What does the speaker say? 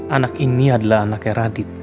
anak ini adalah anaknya radit